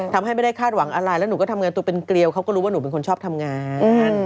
ทำให้ไม่ได้คาดหวังอะไรแล้วหนูก็ทำงานตัวเป็นเกลียวเขาก็รู้ว่าหนูเป็นคนชอบทำงาน